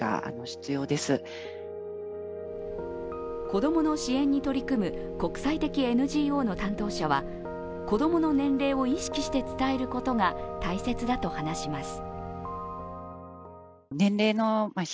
子供の支援に取り組む国際的ＮＧＯの担当者は子供の年齢を意識して伝えることが大切だと話します。